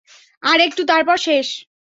আর একটু, তারপর শেষ।